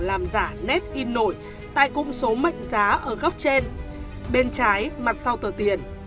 làm giả nét in nổi tại cung số mệnh giá ở góc trên bên trái mặt sau tờ tiền